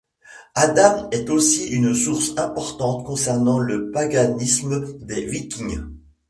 Adam est aussi une source importante concernant le paganisme des Vikings.